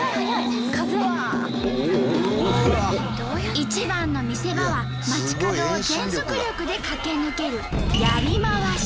一番の見せ場は街角を全速力で駆け抜けるやりまわし。